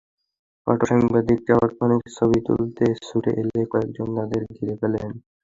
Photo সাংবাদিক তাৎক্ষণিক ছবি তুলতে ছুটে এলে কয়েকজন তাঁদের ঘিরে ফেলেন।